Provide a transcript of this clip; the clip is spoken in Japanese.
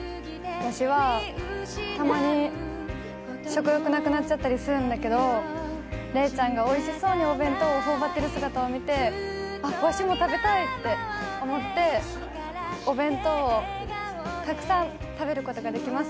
ワシはたまに食欲なくなっちゃりするんだけど玲ちゃんがおいしそうにお弁当をほおばってる姿を見て、あっ、ワシも食べたいって思ってお弁当をたくさん食べることができます。